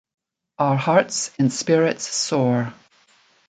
Our hearts and spirits soar.